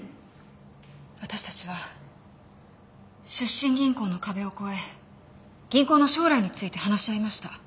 私たちは出身銀行の壁を超え銀行の将来について話し合いました。